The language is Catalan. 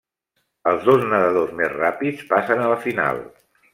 Els dos nedadors més ràpids passen a la final.